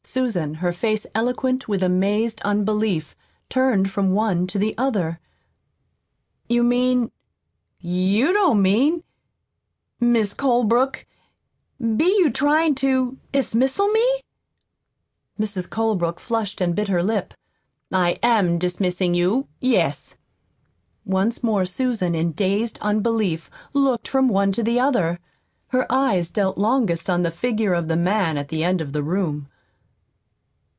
Susan, her face eloquent with amazed unbelief, turned from one to the other. "You mean you don't mean Mis' Colebrook, be you tryin' to dismissal me?" Mrs. Colebrook flushed and bit her lip. "I am dismissing you yes." Once more Susan, in dazed unbelief, looked from one to the other. Her eyes dwelt longest on the figure of the man at the end of the room.